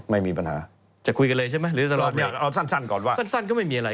ไม่มีปัญหาจะคุยกันเลยใช่ไหมหรือเอาสั้นก่อนว่าสั้นก็ไม่มีอะไร